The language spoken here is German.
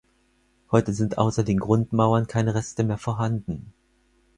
Heute sind außer den Grundmauern keine Reste mehr vorhanden.